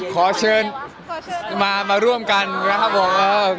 ขอเชิญมาร่วมกันนะครับผม